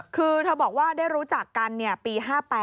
คือเธอบอกว่าได้รู้จักกันปี๕๘